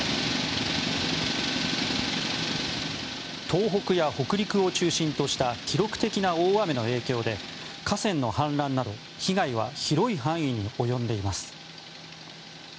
東北や北陸を中心とした記録的な大雨の影響で河川の氾濫など被害は広い範囲に及んでいます。